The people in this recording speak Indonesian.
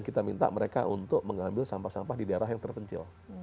kita minta mereka untuk mengambil sampah sampah di daerah yang terpencil